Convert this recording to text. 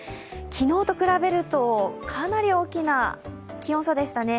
昨日と比べるとかなり大きな気温差でしたね。